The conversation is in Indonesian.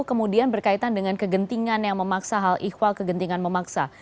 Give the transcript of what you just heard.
kemudian berkaitan dengan kegentilan yang memaksa hal ihwal kegentilan memaksa